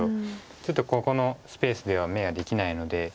ちょっとここのスペースでは眼ができないので。